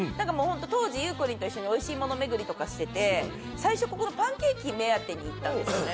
当時ゆうこりんと一緒においしいもの巡りしてて最初ここのパンケーキを目当てに行ったんですよね。